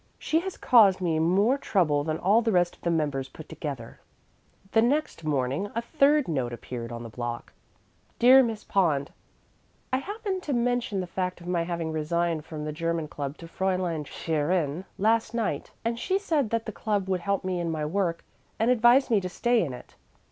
She has caused me more trouble than all the rest of the members put together." The next morning a third note appeared on the block: DEAR MISS POND: I happened to mention the fact of my having resigned from the German Club to Fräulein Scherin last night, and she said that the club would help me in my work, and advised me to stay in it.